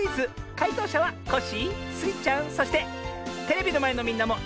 かいとうしゃはコッシースイちゃんそしてテレビのまえのみんなもいっしょにかんがえるのミズよ。